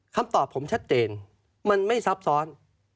คำตอบผมชัดเจนมันไม่ซับซ้อน